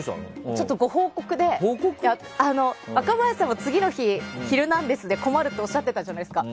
ご報告で、若林さんも次の日「ヒルナンデス！」で困るとおっしゃっていたじゃないですか。